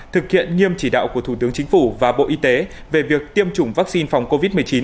thực hiện nghiêm chỉ đạo của thủ tướng chính phủ và bộ y tế về việc tiêm chủng vaccine phòng covid một mươi chín